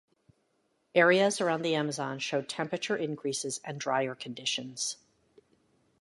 Areas around the Amazon show temperature increases and drier conditions.